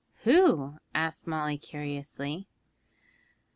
'Who?' asked Molly curiously.